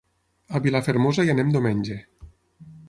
A Vilafermosa hi anem diumenge.